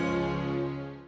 tidak ada yang bisa mengatakan